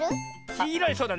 きいろいそうだね。